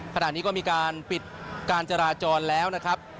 ขณะนี้ก็มีการปิดการจราจรแล้วนะครับ